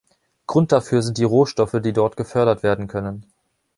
Grund dafür sind die Rohstoffe, die dort gefördert werden können.